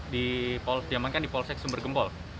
diamankan di polsek sumber gempol